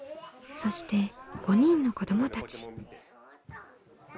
そして５人の子どもたち。